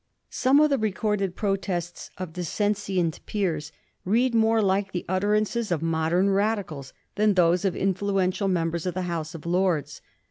Some of the recorded protests of dissentient peers read more like the utterances of modem Radicals than those of influential members of the House of Lords.